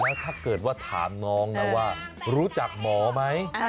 แล้วถ้าเกิดว่าถามน้องนะว่ารู้จักหมอไหม